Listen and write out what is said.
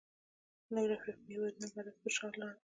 نور افریقایي هېوادونه برعکس پر شا لاړل.